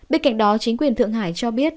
bên cạnh đó chính quyền thượng hải cho biết